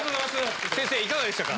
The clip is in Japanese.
先生いかがでしたか？